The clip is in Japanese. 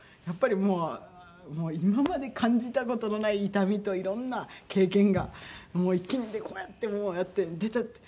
やっぱりもう今まで感じた事のない痛みといろんな経験がいきんでこうやってもうやって出て。